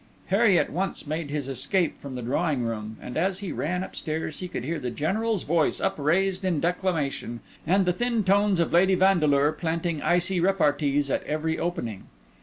Harry at once made his escape from the drawing room; and as he ran upstairs he could hear the General's voice upraised in declamation, and the thin tones of Lady Vandeleur planting icy repartees at every opening.